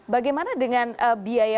bagaimana dengan biaya pariwisata